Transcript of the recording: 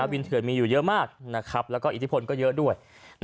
เถื่อนมีอยู่เยอะมากแล้วก็อิทธิพลก็เยอะด้วย